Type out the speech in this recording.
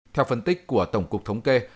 theo phân tích của tổng cục thống kê